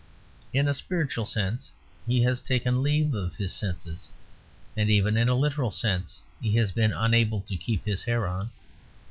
In a spiritual sense he has taken leave of his senses; and even in a literal sense he has been unable to keep his hair on.